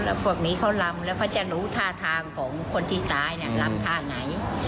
แล้วพวกนี้เขาลำแล้วเขาจะรู้ท่าทางของคนที่ตายเนี่ยลำท่าไหน